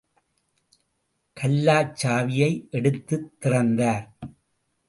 கல்லாச் சாவியை எடுத்துத் திறந்தார்.